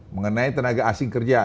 mengenai tenaga asing kerja